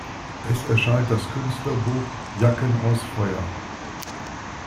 Es erscheint das Künstlerbuch "Jacken aus Feuer".